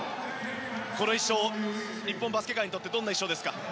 この１勝日本バスケ界にとってどんな１勝ですか？